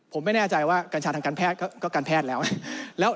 ผมไม่แน่ใจว่ากัญชาทางการแพทย์ก็การแพทย์แล้ว